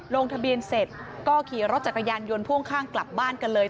ลงทะเบียนเสร็จก็ขี่รถจักรยานยนต์พ่วงข้างกลับบ้านกันเลย